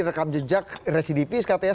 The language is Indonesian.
rekam jejak residivis katanya